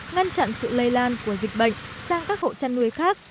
ngăn chặn sự lây lan của dịch bệnh sang các hộ chăn nuôi khác